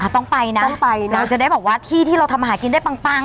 ต้องไปนะเราจะได้บอกว่าที่ที่เราทำหากินได้ปัง